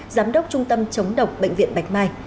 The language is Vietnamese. giám đốc trung tâm chống độc bệnh viện bạch mai